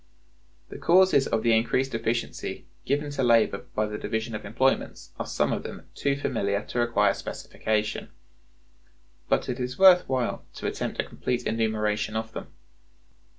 The causes of the increased efficiency given to labor by the division of employments are some of them too familiar to require specification; but it is worth while to attempt a complete enumeration of them.